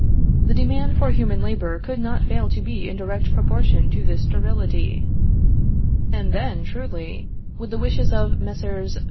The demand for human labor could not fail to be in direct proportion to this sterility, and then truly would the wishes of Messrs.